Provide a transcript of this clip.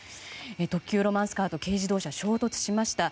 特急ロマンスカーと軽自動車衝突しました。